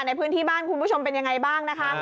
ในพื้นที่บ้านคุณผู้ชมเป็นยังไงบ้างนะคะ